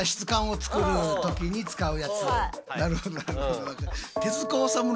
なるほどなるほど。